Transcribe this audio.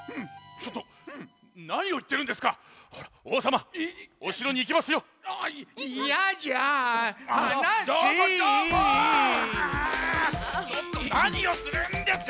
ちょっとなにをするんですか！